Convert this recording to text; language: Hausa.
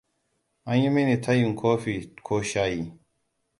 An yi mini tayin kofi ko shayi.